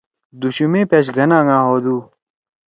دُوشُمے پیش گھن آنگا ہودُو۔